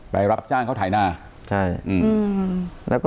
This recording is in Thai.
ไปรับจ้างเขาทำถ่ายนา